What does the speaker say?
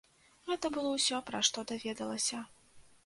Гэта было ўсё, пра што даведалася.